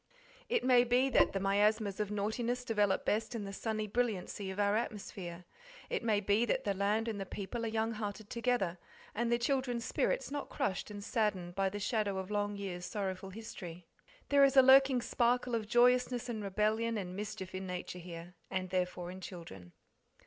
It may be that the miasmas of naughtiness develop best in the sunny brilliancy of our atmosphere. It may be that the land and the people are young hearted together, and the children's spirits not crushed and saddened by the shadow of long years' sorrowful history. There is a lurking sparkle of joyousness and rebellion and mischief in nature here, and therefore in children.